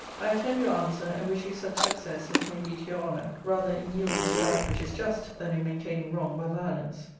I attend your answer, and wish you such success as may be to your honour, rather in yielding to that which is just, than in maintaining wrong by violence.